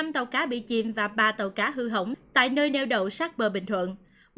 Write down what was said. năm tàu cá bị chìm và ba tàu cá hư hỏng tại nơi nèo đầu sát bờ bình thuận